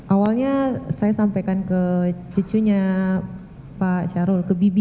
awalnya saya sampaikan ke cucunya pak syarul ke bibi